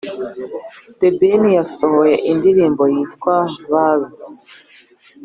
the ben yasohoye indirimbo yitwa vazi